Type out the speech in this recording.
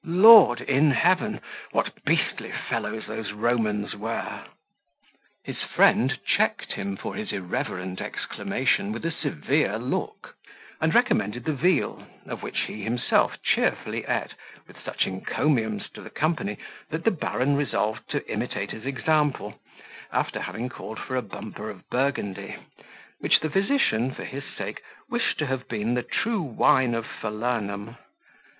Lord in heaven! what beastly fellows those Romans were!" His friend checked him for his irreverent exclamation with a severe look, and recommended the veal, of which he himself cheerfully ate, with such encomiums to the company, that the baron resolved to imitate his example, after having called for a bumper of Burgundy, which the physician, for his sake, wished to have been the true wine of Falernum.